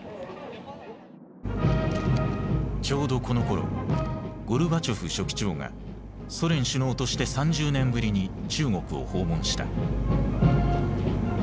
ちょうどこのころゴルバチョフ書記長がソ連首脳として３０年ぶりに中国を訪問した。